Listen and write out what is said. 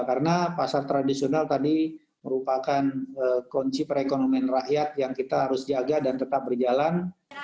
karena pasar tradisional tadi merupakan kunci perekonomian rakyat yang kita harus jaga dan tetap berjalan